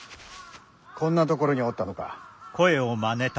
こんな所におったのか。